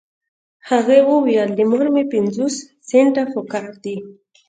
هغې وويل د مور مې پنځوس سنټه پهکار دي.